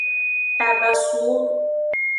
Tabasuwo.